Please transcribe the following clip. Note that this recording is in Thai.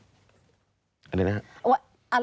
อะไรทำให้แน่ใจว่าวันที่เราเจอหน้าเขาคือวันที่เขาไปอายัด